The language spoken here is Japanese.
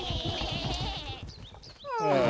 ああ。